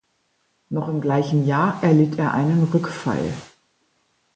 Noch im gleichen Jahr erlitt er einen Rückfall.